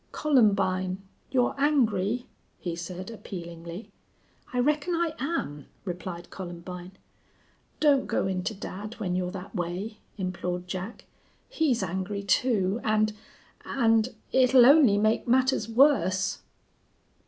"Columbine! you're angry?" he said, appealingly. "I reckon I am," replied Columbine. "Don't go in to dad when you're that way," implored Jack. "He's angry, too and and it'll only make matters worse."